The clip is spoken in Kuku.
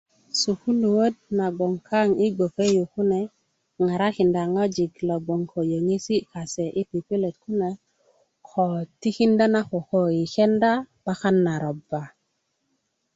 sukuluöt na gböŋ kaŋ yi gboke yu kune ŋarakinda ŋojik logon ko yöŋesi' kase yi pipilet kune ko tikinda na koko i kenda 'bakan na roba